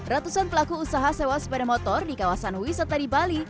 ratusan pelaku usaha sewa sepeda motor di kawasan wisata di bali